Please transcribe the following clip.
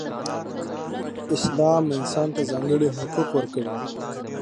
اسلام انسان ته ځانګړې حقوق ورکړئ.